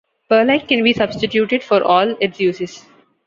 Perlite can be substituted for all of its uses.